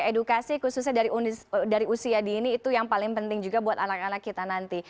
edukasi khususnya dari usia dini itu yang paling penting juga buat anak anak kita nanti